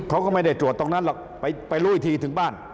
เขาก็ไม่ได้ตรวจตรงนั้นหรอกไปรู้อีกทีถึงบ้าน